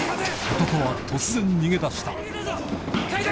男は突然逃げ出した階段！